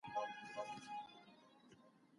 ښوونکی محتوا وړاندي کوله او تدريس روان و.